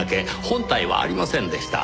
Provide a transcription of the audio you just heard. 本体はありませんでした。